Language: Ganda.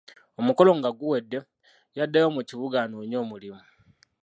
Omukolo nga guwedde, yaddayo mu kibuga anoonye omulimu.